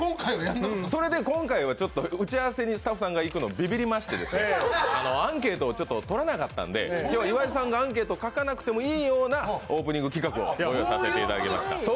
それで今回は、打ち合わせにスタッフさんが行くのビビリまして、アンケートを採らなかったので今日は岩井さんがアンケートを書かなくてもいいようなオープニング企画にさせていただきました。